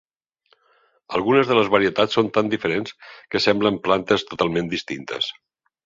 Algunes de les varietats són tan diferents que semblen plantes totalment distintes.